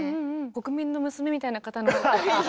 国民の娘みたいな方なので。